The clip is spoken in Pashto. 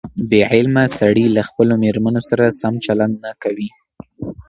بې علمه سړي له خپلو مېرمنو سره سم چلند نه کوي.